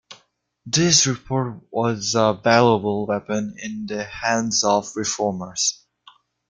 This report was a valuable weapon in the hands of reformers.